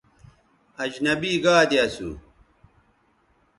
اجنبی گادے اسو